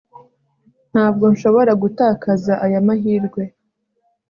Ntabwo nshobora gutakaza aya mahirwe